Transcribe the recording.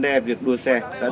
tôi chữ xe rồi